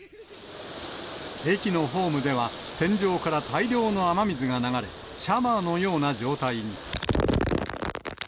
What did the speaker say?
駅のホームでは天井から大量の雨水が流れ、シャワーのような状態に。